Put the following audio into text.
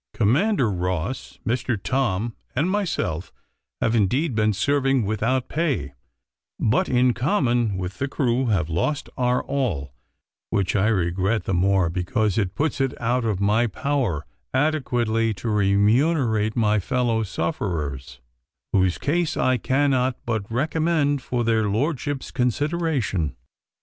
Commander Ross, Mr. Thom and myself, have, indeed, been serving without pay; but in common with the crew have lost our all, which I regret the more, because it puts it out of my power adequately to remunerate my fellow sufferers, whose case I cannot but recommend for their lordships' consideration.